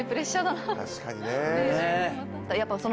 確かにね。